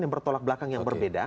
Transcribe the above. yang bertolak belakang yang berbeda